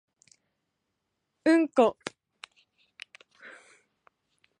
うんこ